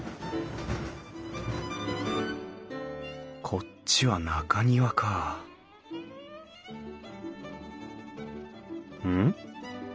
こっちは中庭かうん？